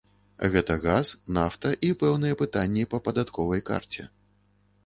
Гэта газ, нафта і пэўныя пытанні па падатковай карце.